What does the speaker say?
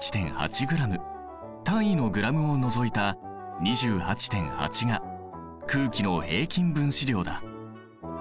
単位のｇを除いた２８．８が空気の平均分子量だ。